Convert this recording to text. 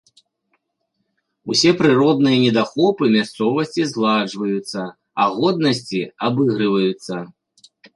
Усе прыродныя недахопы мясцовасці згладжваюцца, а годнасці абыгрываюцца.